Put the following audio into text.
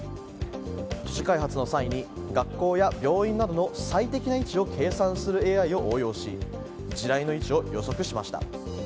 都市開発の際に学校や病院などの最適な位置を計算するＡＩを応用し地雷の位置を予測しました。